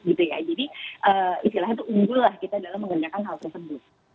jadi istilahnya itu unggul lah kita dalam mengerjakan hal tersebut